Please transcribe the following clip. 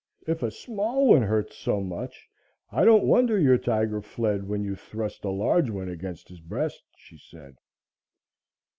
"If a small one hurts so much, I don't wonder your tiger fled when you thrust a large one against his breast," she said.